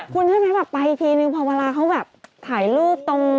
คุณใช่ไหมแบบไปทีนึงพอเวลาเขาแบบถ่ายรูปตรง